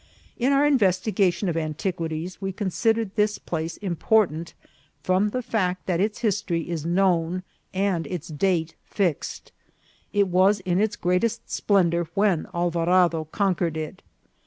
In our investigation of antiquities we considered this place important from the fact that its history is known and its date fixed. It was in its greatest splendour when Alvarado conquered it.